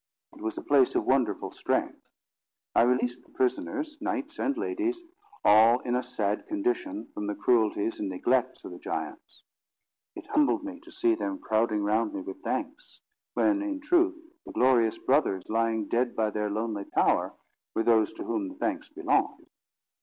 It was a place of wonderful strength. I released the prisoners, knights and ladies, all in a sad condition, from the cruelties and neglects of the giants. It humbled me to see them crowding round me with thanks, when in truth the glorious brothers, lying dead by their lonely tower, were those to whom the thanks belonged.